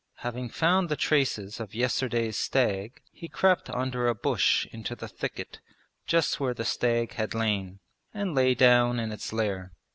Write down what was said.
Having found the traces of yesterday's stag he crept under a bush into the thicket just where the stag had lain, and lay down in its lair.